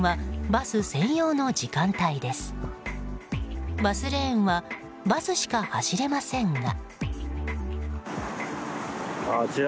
バスレーンはバスしか走れませんが。